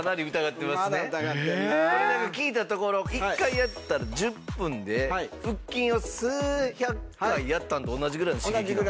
これ聞いたところ１回やったら１０分で腹筋を数百回やったのと同じぐらいの刺激なんですか？